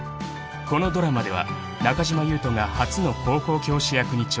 ［このドラマでは中島裕翔が初の高校教師役に挑戦］